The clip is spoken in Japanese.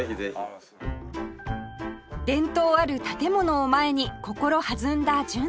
伝統ある建物を前に心弾んだ純ちゃん